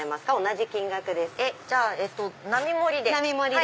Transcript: じゃあ並盛りで。